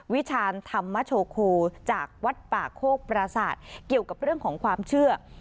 วิชาญธรรมโชโคจากวัดป่าโคกปราศาสตร์เกี่ยวกับเรื่องของความเชื่อ